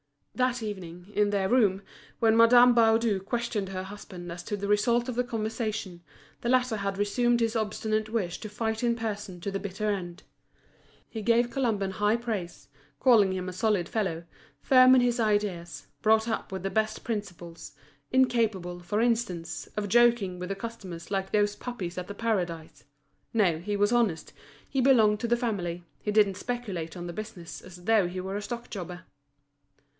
That evening, in their room, when Madame Baudu questioned her husband as to the result of the conversation, the latter had resumed his obstinate wish to fight in person to the bitter end. He gave Colomban high praise, calling him a solid fellow, firm in his ideas, brought up with the best principles, incapable, for instance, of joking with the customers like those puppies at The Paradise. No, he was honest, he belonged to the family, he didn't speculate on the business as though he were a stock jobber.